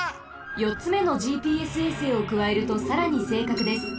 よっつめのＧＰＳ衛星をくわえるとさらにせいかくです。